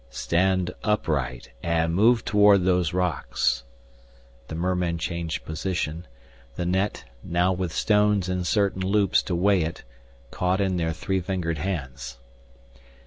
"Stand upright and move toward those rocks." The mermen changed position, the net, now with stones in certain loops to weigh it, caught in their three fingered hands.